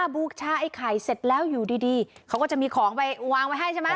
บูชาไอ้ไข่เสร็จแล้วอยู่ดีเขาก็จะมีของไปวางไว้ให้ใช่ไหม